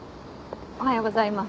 おはようございます。